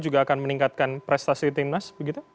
juga akan meningkatkan prestasi tim mas